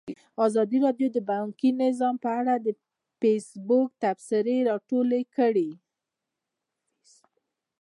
ازادي راډیو د بانکي نظام په اړه د فیسبوک تبصرې راټولې کړي.